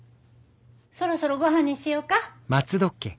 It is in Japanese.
そろそろごはんにしよか。